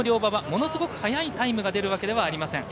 ものすごく早いタイムが出るわけではありません。